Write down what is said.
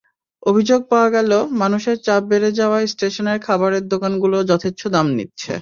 অভিযোগ পাওয়া গেল, মানুষের চাপ বেড়ে যাওয়ায় স্টেশনের খাবারের দোকানগুলো যথেচ্ছ দাম নিচ্ছে।